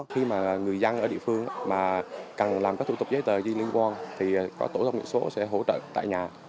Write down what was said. khi mà người dân ở địa phương mà cần làm các thủ tục giấy tờ liên quan thì có tổ chức nguyện số sẽ hỗ trợ tại nhà